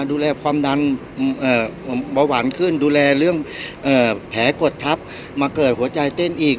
ดูแลความดันเบาหวานขึ้นดูแลเรื่องแผลกดทับมาเกิดหัวใจเต้นอีก